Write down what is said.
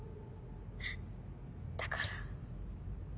だから。